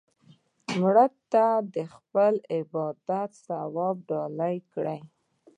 مړه ته د خپل عبادت ثواب ډالۍ کړه